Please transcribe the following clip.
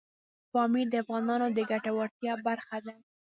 پامیر د افغانانو د ګټورتیا برخه ده.